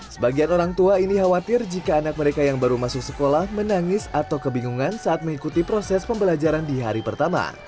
sebagian orang tua ini khawatir jika anak mereka yang baru masuk sekolah menangis atau kebingungan saat mengikuti proses pembelajaran di hari pertama